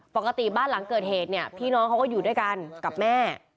ปกติบ้านหลังเกิดเหตุเนี่ยพี่น้องเขาก็อยู่ด้วยกันกับแม่